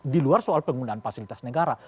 di luar soal penggunaan fasilitas negara